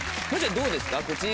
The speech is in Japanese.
どうですか？